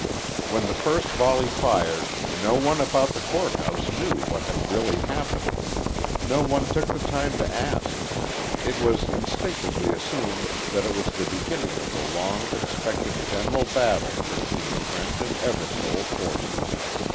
When the first volley fired, no one about the court house knew what had really happened. No one took the time to ask. It was instinctively assumed that it was the beginning of the long expected general battle between the French and Eversole forces.